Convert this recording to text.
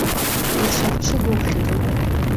Ицәаԥҽыгоу хьӡуп.